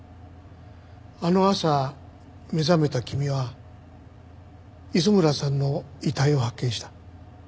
あの朝目覚めた君は磯村さんの遺体を発見した。